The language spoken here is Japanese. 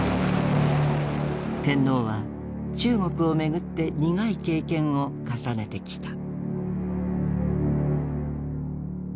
天皇は中国をめぐって苦い経験を重ねてきた。